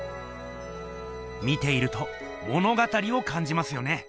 見ていると物語をかんじますよね。